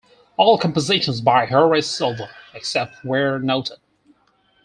All compositions by Horace Silver, except where noted.